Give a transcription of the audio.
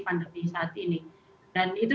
pandemi saat ini dan itu